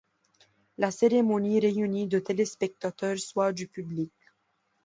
La cérémonie réunit de téléspectateurs, soit du public.